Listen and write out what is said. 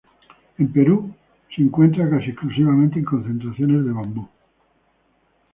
En Perú es encontrada casi exclusivamente en concentraciones de bambú.